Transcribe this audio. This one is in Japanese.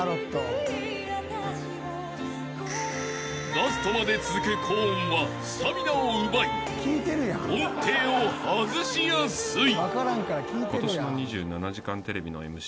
［ラストまで続く高音はスタミナを奪い音程を外しやすい］